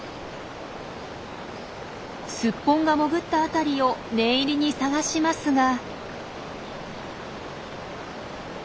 スッポンが潜ったあたりを念入りに探しますが。